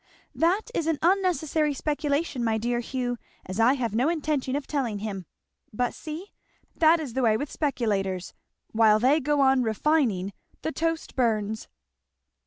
"That is an unnecessary speculation, my dear Hugh, as I have no intention of telling him. But see! that is the way with speculators! 'While they go on refining' the toast burns!"